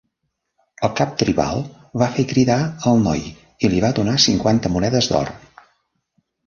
El cap tribal va fer cridar el noi i li va donar cinquanta monedes d'or.